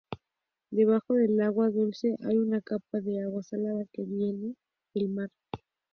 Debajo del agua dulce hay una capa de agua salada que viene del mar.